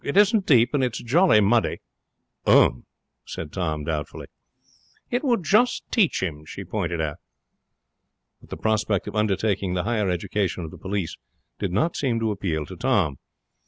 It isn't deep, and it's jolly muddy.' 'Um!' said Tom, doubtfully. 'It would just teach him,' she pointed out. But the prospect of undertaking the higher education of the police did not seem to appeal to Tom.